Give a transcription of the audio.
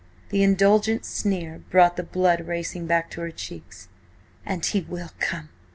The indulgent sneer brought the blood racing back to her cheeks. "And he will come!"